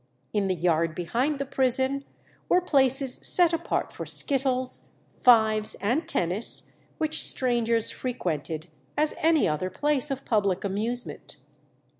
In the yard behind the prison were places set apart for skittles, fives, and tennis, which strangers frequented as any other place of public amusement.